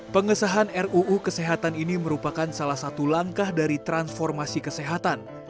pengesahan ruu kesehatan ini merupakan salah satu langkah dari transformasi kesehatan